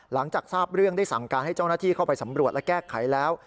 หลังจากทราบเรื่องได้สั่งการให้เจ้าหน้าที่เข้าไปสำรวจและแก้ไขแล้ว